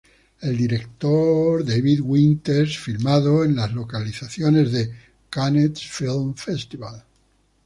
El director, David Winters, filmado en las locaciones de Cannes Film Festival.